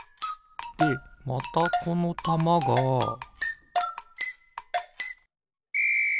でまたこのたまがピッ！